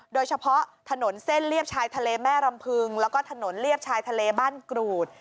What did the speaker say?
โดยเฉพาะถนนเส้นเรียบชายทะเลแม่รำพึงแล้วก็ถนนเลียบชายทะเลบ้านกรูด